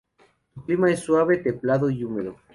Su clima es suave, templado y húmedo.